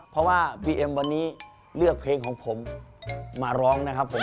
เพราะว่าพี่เอ็มวันนี้เลือกเพลงของผมมาร้องนะครับผม